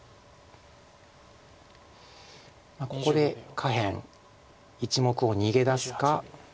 ここで下辺１目を逃げ出すか。